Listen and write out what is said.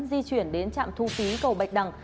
di chuyển đến trạm thu phí cầu bạch đằng